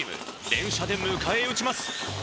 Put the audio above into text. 連射で迎え撃ちます。